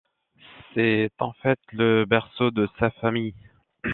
C'est en fait le berceau de sa famille.